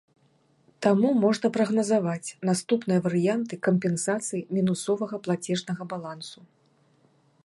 Таму можна прагназаваць наступныя варыянты кампенсацыі мінусовага плацежнага балансу.